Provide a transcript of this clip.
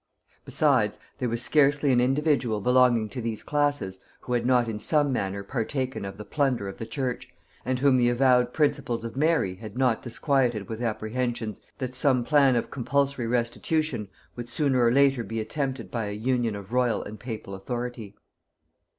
Besides, there was scarcely an individual belonging to these classes who had not in some manner partaken of the plunder of the church, and whom the avowed principles of Mary had not disquieted with apprehensions that some plan of compulsory restitution would sooner or later be attempted by an union of royal and papal authority.